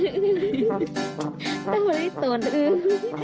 ต้องมาด้วยส่วนอึ๋ง